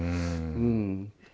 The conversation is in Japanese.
うん。